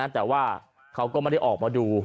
แต่ว่าเขาก็ไม่ได้ออกมาดู